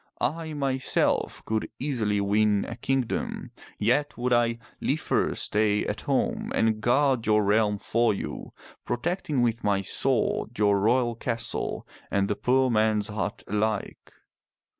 I, myself , could easily win a kingdom, yet would I liefer stay at home and guard your realm for you, protecting with my sword your royal castle and the poor man's hut alike.